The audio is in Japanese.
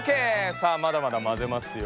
さあまだまだまぜますよ。